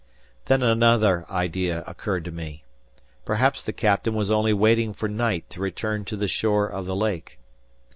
Then another idea occurred to me. Perhaps the captain was only waiting for night to return to the shore of the lake.